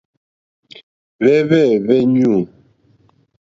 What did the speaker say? Hwɛ́hwɛ̂hwɛ́ ɲû.